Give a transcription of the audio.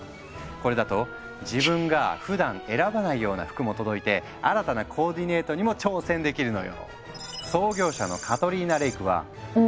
これだと自分がふだん選ばないような服も届いて新たなコーディネートにも挑戦できるのよ。